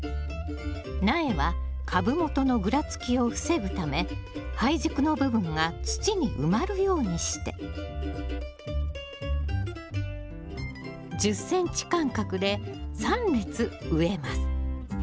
苗は株元のぐらつきを防ぐため胚軸の部分が土に埋まるようにして１０ｃｍ間隔で３列植えます